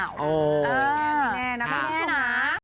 ไม่แน่นะ